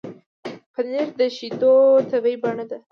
پنېر د شیدو طبیعي بڼه ده.